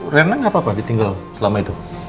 renang apa apa ditinggal selama itu